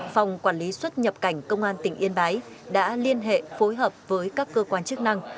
phòng quản lý xuất nhập cảnh công an tỉnh yên bái đã liên hệ phối hợp với các cơ quan chức năng